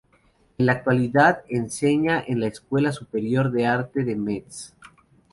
En la actualidad enseña en la Escuela Superior de Arte de Metz.